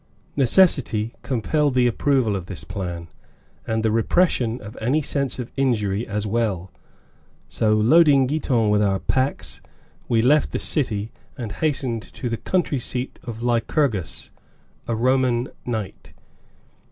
Necessity compelled the approval of this plan, and the repression of any sense of injury as well, so, loading Giton with our packs, we left the city and hastened to the country seat of Lycurgus, a Roman knight.